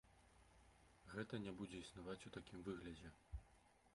Гэта не будзе існаваць у такім выглядзе.